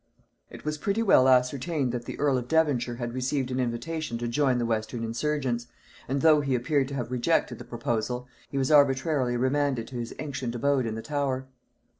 It was pretty well ascertained that the earl of Devonshire had received an invitation to join the western insurgents; and though he appeared to have rejected the proposal, he was arbitrarily remanded to his ancient abode in the Tower.